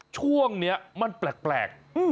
ช่วงนี้มันแปลก